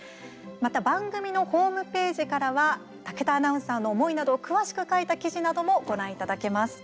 また、番組のホームページからは武田アナウンサーの思いなどを詳しく書いた記事などもご覧いただけます。